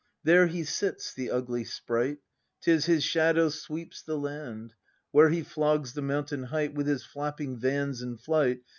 ] There he sits, the ugly sprite! 'Tis his shadow sweeps the land. Where he flogs the mountain height With his flapping vans in flight.